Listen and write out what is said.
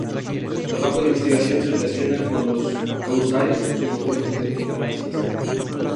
Su trabajo de investigación se relaciona con los cuásares y el hidrógeno en galaxias.